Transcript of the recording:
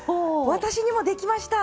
私にもできました。